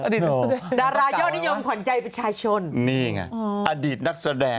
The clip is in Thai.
อดีตนักแสดงน่ะไงวะนี่ไงอดีตนักแสดง